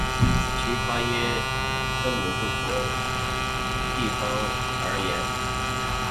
其发音根据不同地理方言而不同。